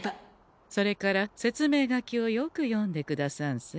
それから説明書きをよく読んでくださんせ。